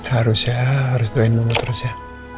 harus ya harus doain dulu terus ya